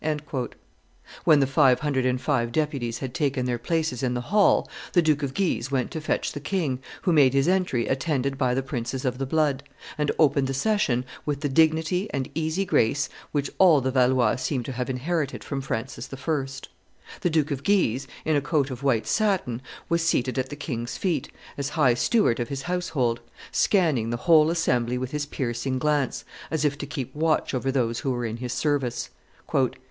When the five hundred and five deputies had taken their places in the hall, the Duke of Guise went to fetch the king, who made his entry attended by the princes of the blood, and opened the session with the dignity and easy grace which all the Valois seemed to have inherited from Francis I. The Duke of Guise, in a coat of white satin, was seated at the king's feet, as high steward of his household, scanning the whole assembly with his piercing glance, as if to keep watch over those who were in his service.